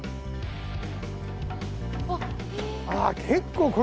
ああ結構。